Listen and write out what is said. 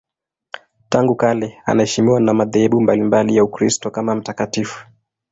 Tangu kale anaheshimiwa na madhehebu mbalimbali ya Ukristo kama mtakatifu.